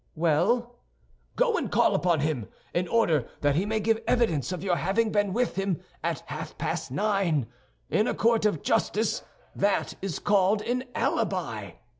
"Well?" "Go and call upon him, in order that he may give evidence of your having been with him at half past nine. In a court of justice that is called an alibi."